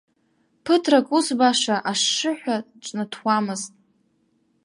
Ԥыҭрак ус баша ашшыҳәа ҿнаҭуамызт.